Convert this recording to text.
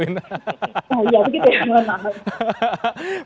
oh iya begitu ya